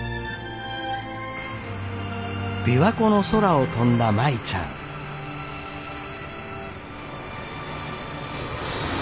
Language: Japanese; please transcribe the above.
琵琶湖の空を飛んだ舞ちゃん。